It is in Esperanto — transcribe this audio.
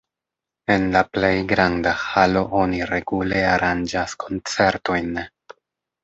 En la plej granda halo oni regule aranĝas koncertojn.